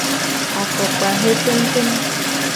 Afokpa he pempem.